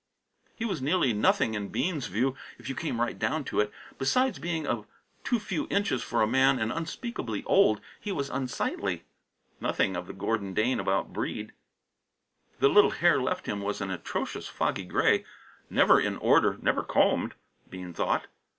He was nearly nothing, in Bean's view, if you came right down to it. Besides being of too few inches for a man and unspeakably old, he was unsightly. Nothing of the Gordon Dane about Breede. The little hair left him was an atrocious foggy gray; never in order, never combed, Bean thought.